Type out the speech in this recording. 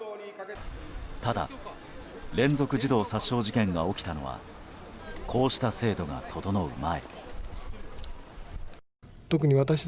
ただ、連続児童殺傷事件が起きたのはこうした制度が整う前。